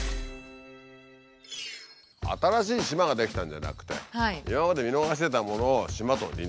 新しい島が出来たんじゃなくて今まで見逃してたものを島と認定したと。